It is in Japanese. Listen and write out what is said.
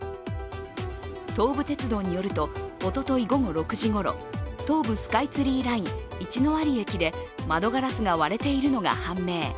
東武鉄道によるとおととい午後６時ごろ東武スカイツリーライン一ノ割駅で窓ガラスが割れているのが判明。